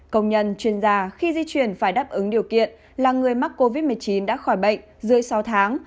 công nhân chuyên gia khi di chuyển phải đáp ứng điều kiện là người mắc covid một mươi chín đã khỏi bệnh dưới sáu tháng